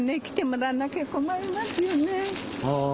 来てもらわなきゃ困りますよね。